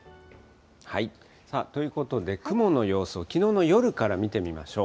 ということで、雲の様子をきのうの夜から見てみましょう。